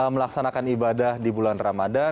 melaksanakan ibadah di bulan ramadan